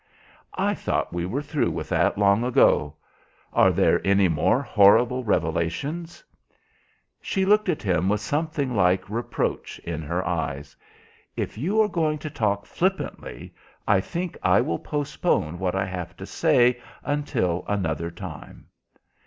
"I thought we were through with that long ago. Are there any more horrible revelations?" She looked at him with something like reproach in her eyes. "If you are going to talk flippantly, I think I will postpone what I have to say until another time."